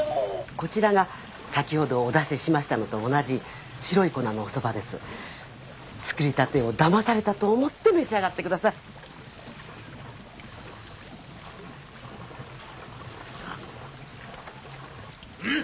こちらが先ほどお出ししましたのと同じ白い粉のおそばです作りたてをだまされたと思って召し上がってくださいうん！